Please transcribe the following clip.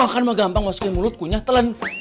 makan mah gampang masukin mulut kunyah telan